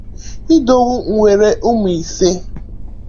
Idowu nwere umu ise.